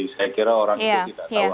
saya kira orang itu tidak tahu